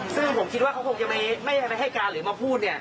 ซึ่งผมคิดว่าเขาคงจะไม่ให้การหรือมาพูดเนี่ย